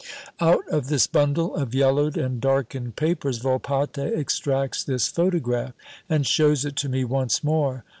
Out of this bundle of yellowed and darkened papers Volpatte extracts this photograph and shows it to me once more.